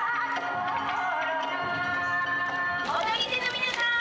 踊り手の皆さん